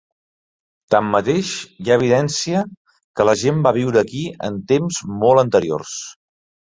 Tanmateix, hi ha evidència que la gent va viure aquí en temps molt anteriors.